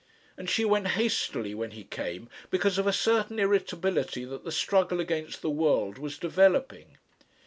And she went hastily when he came, because of a certain irritability that the struggle against the world was developing.